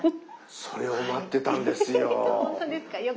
それを待ってたんですよ。